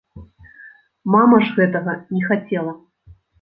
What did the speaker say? Мама ж гэтага не хацела.